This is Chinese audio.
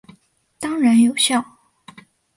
当然有效！